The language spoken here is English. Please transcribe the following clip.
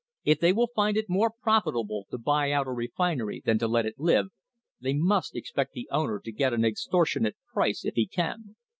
If they will find it more profitable to buy out a refinery than to let it live, they must expect the owner to get an extortionate price if he can.